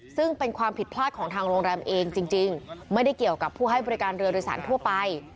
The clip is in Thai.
ซึ่งเป็นความผิดพลาดของทางโรงแรมเองจริงไม่ได้เกี่ยวกับผู้ให้บริการเรือโดยสารทั่วไป